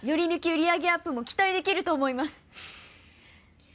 売上アップも期待できると思います